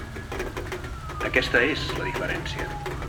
Aquesta és la diferència.